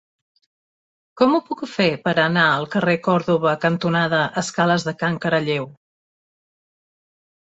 Com ho puc fer per anar al carrer Còrdova cantonada Escales de Can Caralleu?